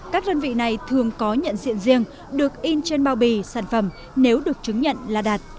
các đơn vị này thường có nhận diện riêng được in trên bao bì sản phẩm nếu được chứng nhận là đạt